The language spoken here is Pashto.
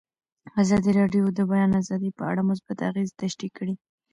ازادي راډیو د د بیان آزادي په اړه مثبت اغېزې تشریح کړي.